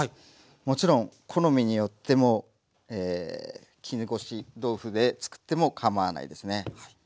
もちろん好みによっても絹ごし豆腐でつくっても構わないですね。